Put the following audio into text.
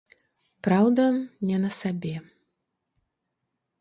Праўда, не на сабе.